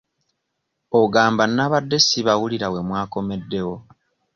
Ogamba nnabadde sibawulira we mwakomeddewo?